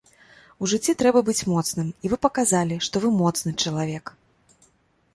У жыцці трэба быць моцным, і вы паказалі, што вы моцны чалавек.